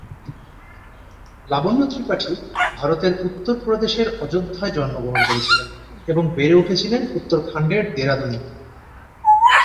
লাবণ্য ত্রিপাঠি ভারতের উত্তরপ্রদেশের অযোধ্যায় জন্মগ্রহণ করেছিলেন এবং বেড়ে উঠেছিলেন উত্তরাখণ্ডের দেরাদুনে।